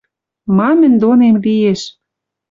Ма мӹнь донем лиэш